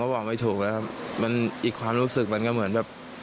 ฟังเสียงอีกครั้งค่ะ